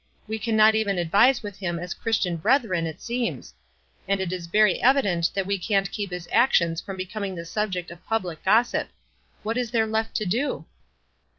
We can not even advise with him as Christian brethren, it seems ; and it is very evident that we can't keep his ac tions from becoming the subject of public gossip. What is there left to do